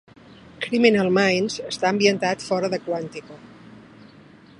"Criminal Minds" està ambientat fora de Quantico.